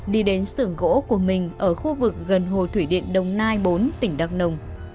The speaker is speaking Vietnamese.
đi đến sưởng gỗ của mình ở khu vực gần hồ thủy điện đồng nai bốn tỉnh đắk nông